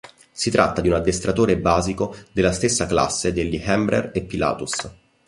Si tratta di un addestratore basico della stessa classe degli Embraer e Pilatus.